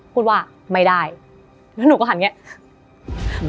พูดว่าไม่ได้แล้วหนูก็หันอย่างนี้